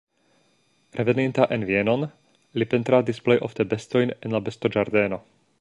Reveninta en Vienon li pentradis plej ofte bestojn en la bestoĝardeno.